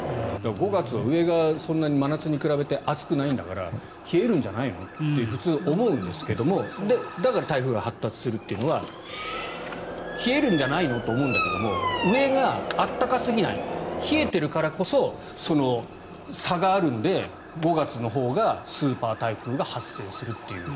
５月だと上が暑くないから冷えるんじゃないのって普通思うんですけどだから台風が発達するというのは冷えるんじゃないのと思うんだけれども上が暖かすぎない冷えているからこそその差があるので５月のほうがスーパー台風が発生するという。